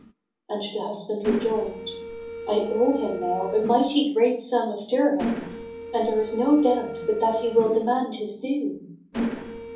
and the husband rejoined, "I owe him now a mighty great sum of dirhams, and there is no doubt but that he will demand his due."